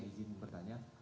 saya izin bertanya